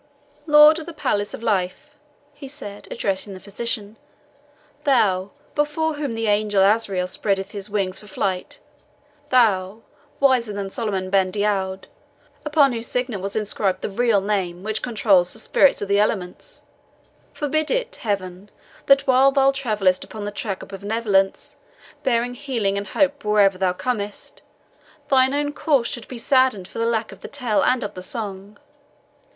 "Lord of the palace of life," he said, addressing the physician, "thou, before whom the angel Azrael spreadeth his wings for flight thou, wiser than Solimaun Ben Daoud, upon whose signet was inscribed the REAL NAME which controls the spirits of the elements forbid it, Heaven, that while thou travellest upon the track of benevolence, bearing healing and hope wherever thou comest, thine own course should be saddened for lack of the tale and of the song.